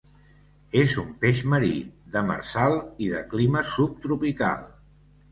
És un peix marí, demersal i de clima subtropical.